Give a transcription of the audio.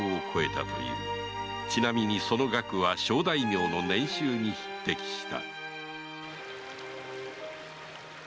ちなみにその額は小大名の年収に匹敵した